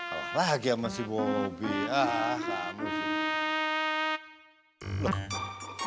kalah lagi sama si bobby ah kamu sih